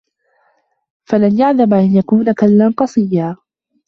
فَلَنْ يَعْدَمَ أَنْ يَكُونَ كَلًّا قَصِيًّا